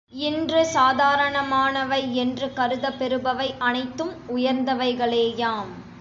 இன்று சாதாரணமானவை என்று கருதப் பெறுபவை அனைத்தும் உயர்ந்தவைகளேயாம்.